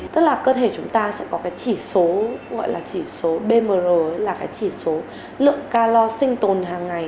tức là cơ thể chúng ta sẽ có cái chỉ số gọi là chỉ số bmr là cái chỉ số lượng ca lo sinh tồn hàng ngày